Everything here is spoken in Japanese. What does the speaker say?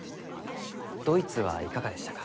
ドイツはいかがでしたか？